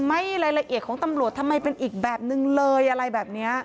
รายละเอียดของตำรวจทำไมเป็นอีกแบบนึงเลยอะไรแบบนี้